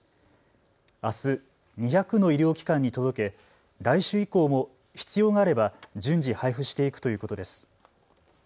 あす、２００の医療機関に届け来週以降も必要があれば順次、配布していくということです。